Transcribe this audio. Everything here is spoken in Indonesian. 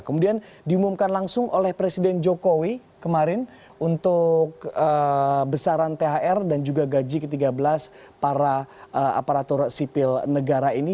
kemudian diumumkan langsung oleh presiden jokowi kemarin untuk besaran thr dan juga gaji ke tiga belas para aparatur sipil negara ini